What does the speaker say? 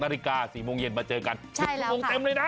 นาฬิกา๔โมงเย็นมาเจอกัน๑๐โมงเต็มเลยนะ